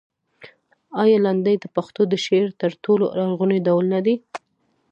آیا لنډۍ د پښتو د شعر تر ټولو لرغونی ډول نه دی؟